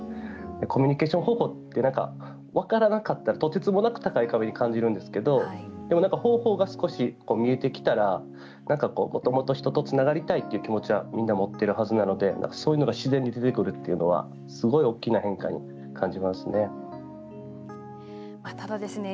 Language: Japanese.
コミュニケーション方法って分からなかったら、とてつもなく高い壁に感じるんですけど方法が少し見えてきたらもっともっと人とつながりたいという気持ちはみんな持っているはずなのでそういうのが自然に出てくるというのはすごく大きな変化に感じますね。